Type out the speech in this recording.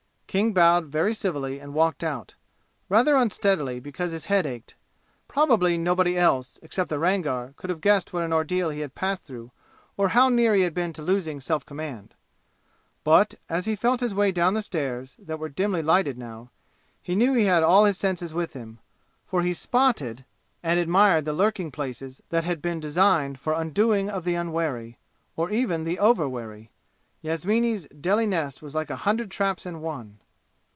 King bowed very civilly and walked out, rather unsteadily because his head ached. Probably nobody else, except the Rangar, could have guessed what an ordeal he had passed through or how near he had been to losing self command. But as he felt his way down the stairs, that were dimly lighted now, he knew he had all his senses with him, for he "spotted" and admired the lurking places that had been designed for undoing of the unwary, or even the overwary. Yasmini's Delhi nest was like a hundred traps in one.